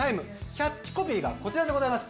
キャッチコピーがこちらでございます